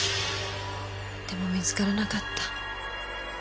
でも見つからなかった。